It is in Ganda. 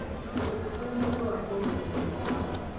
Buli mukulembeze wa njawulo mu ngeri ye.